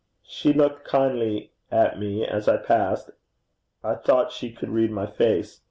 She looked kindly at me as I passed. I thought she could read my face.